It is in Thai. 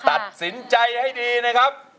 ตัดสินใจให้ดีนะครับ